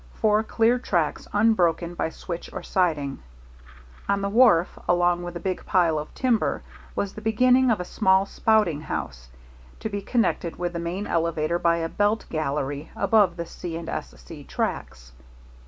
C., four clear tracks unbroken by switch or siding. On the wharf, along with a big pile of timber, was the beginning of a small spouting house, to be connected with the main elevator by a belt gallery above the C. & S. C. tracks.